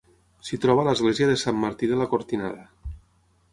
S'hi troba l'església de Sant Martí de la Cortinada.